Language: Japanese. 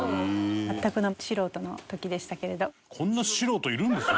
全くの素人の時でしたけれど。